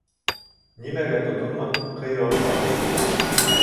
Нимәгә тотонма, ҡыйралған.